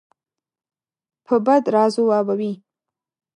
په بد راځوابوي.